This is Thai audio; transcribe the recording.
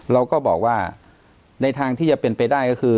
เราก็บอกว่าในทางที่จะเป็นไปได้ก็คือ